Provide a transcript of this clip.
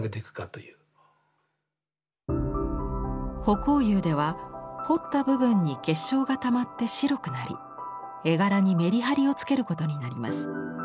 葆光釉では彫った部分に結晶がたまって白くなり絵柄にメリハリをつけることになります。